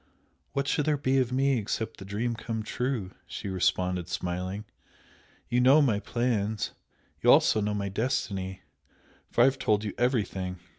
"What should there be of me except the dream come true?" she responded, smiling "You know my plans, you also know my destiny, for I have told you everything!